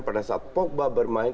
pada saat pogba bermain